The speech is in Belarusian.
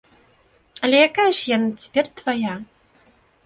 Але якая ж яна цяпер твая.